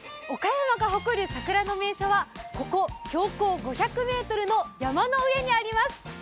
岡山が誇る桜の名所はここ、標高５００ｍの山の上にあります。